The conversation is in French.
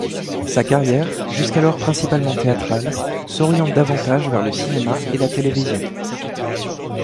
Sa carrière, jusqu'alors principalement théâtrale, s'oriente davantage vers le cinéma et la télévision.